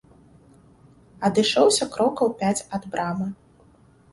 Адышоўся крокаў пяць ад брамы.